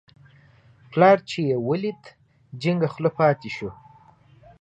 پلار چې یې ولید، جینګه خوله پاتې شو.